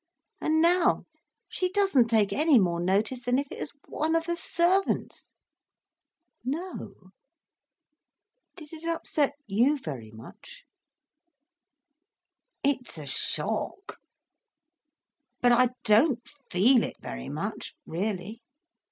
And now, she doesn't take any more notice than if it was one of the servants." "No? Did it upset you very much?" "It's a shock. But I don't feel it very much, really.